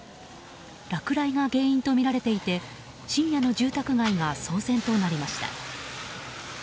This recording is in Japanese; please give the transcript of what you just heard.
落雷が原因とみられていて深夜の住宅街が騒然となりました。